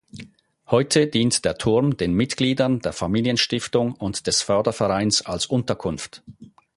Heute dient der Turm den Mitgliedern der Familienstiftung und des Fördervereins als Unterkunft.